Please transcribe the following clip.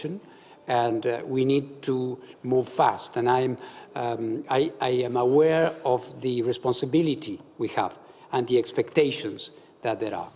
dan saya yakin dengan tanggapan dan keharusan yang kita miliki